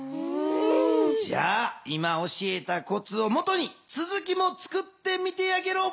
じゃあ今教えたコツをもとにつづきもつくってみてやゲロ。